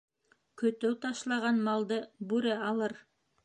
Көтөү ташлаған малды бүре алыр